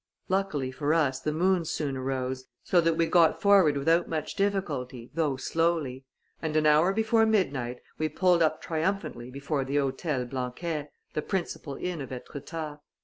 Luckily for us, the moon soon arose, so that we got forward without much difficulty, though slowly; and an hour before midnight we pulled up triumphantly before the Hotel Blanquet, the principal inn of Etretat.